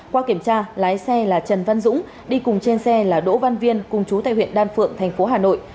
qua kiểm tra lái xe là trần văn dũng đi cùng trên xe là đỗ văn viên cùng chú tại huyện đan phượng thành phố hà nội